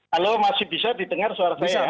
halo masih bisa didengar suara saya